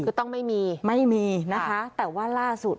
ก็ต้องไม่มีนะคะแต่ว่าล่าสุด